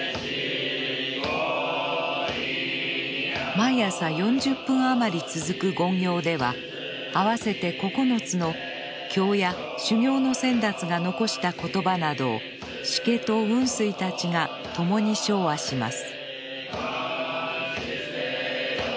毎朝４０分余り続く勤行では合わせて９つの経や修行の先達が遺した言葉などを師家と雲水たちが共に唱和します。